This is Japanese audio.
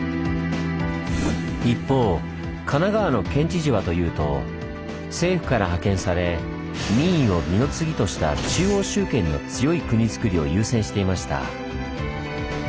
一方神奈川の県知事はというと政府から派遣され民意を二の次とした中央集権の強い国づくりを優先していました。